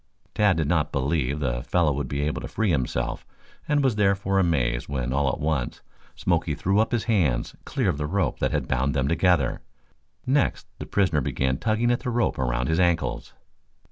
Tad did not believe the fellow would be able to free himself and was therefore amazed when all at once Smoke threw up his hands clear of the rope that had bound them together. Next the prisoner began tugging at the rope around his ankles.